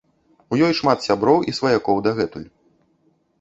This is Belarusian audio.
У ёй шмат сяброў і сваякоў дагэтуль.